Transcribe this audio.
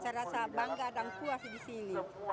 saya rasa bangga dan puas di sini